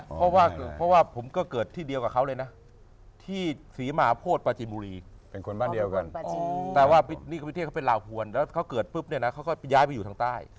เพราะว่าเพราะว่าผมก็เกิดที่เดียวกับเขาเลยนะที่ศรีมาโพธิปาจิบุรีเป็นคนบ้านเดียวกันแต่ว่านี่คือประเทศเขาเป็นลาวพวนแล้วเขาเกิดปุ๊บเนี่ยนะเขาก็ย้ายไปอยู่ทางใต้